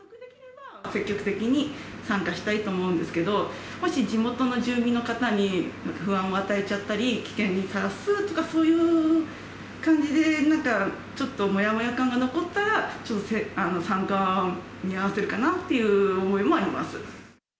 積極的に参加したいと思うんですけど、もし地元の住民の方に不安を与えちゃったり危険にさらすとか、そういう感じで、なんかちょっともやもや感が残ったら、ちょっと参加を見合わせるかなっていう思いもあります。